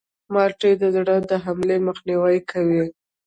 مالټې د زړه د حملې مخنیوی کوي.